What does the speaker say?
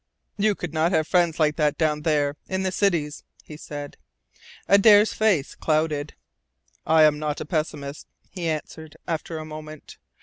"You could not have friends like that down there, in the cities," he said. Adare's face clouded. "I am not a pessimist," he answered, after a moment.